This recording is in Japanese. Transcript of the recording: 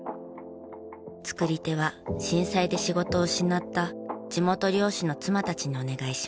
作り手は震災で仕事を失った地元漁師の妻たちにお願いしました。